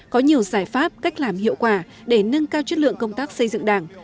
có nhiều giải pháp cách làm hiệu quả để nâng cao chất lượng công tác xây dựng đảng